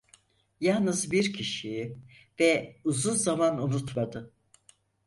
Yalnız bir kişiyi ve uzun zaman unutmadı: